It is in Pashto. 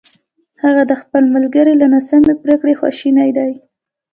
هغه د خپل ملګري له ناسمې پرېکړې خواشینی دی!